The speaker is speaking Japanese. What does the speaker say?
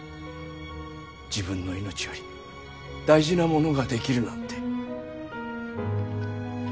自分の命より大事なものができるなんて。